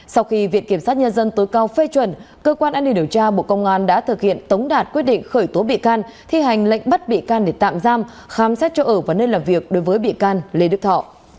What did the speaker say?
sau khi viện kiểm sát nhân dân tối cao phê chuẩn cơ quan an ninh điều tra bộ công an đã thực hiện tống đạt quyết định khởi tố bị can thi hành lệnh bắt bị can để tạm giam khám xét cho ở và nơi làm việc đối với bị can lê đức thọ